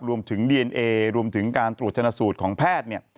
รวมถึงดีเอนเอรวมถึงการตรวจชนะสูตรของแพทย์เนี่ย